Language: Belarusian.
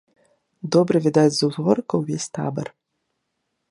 Добра відаць з узгорка ўвесь табар.